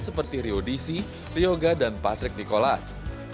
seperti rio disi ryoga dan patrick nikolas